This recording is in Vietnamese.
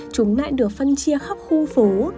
chúng lại được phân chia khắp khu phố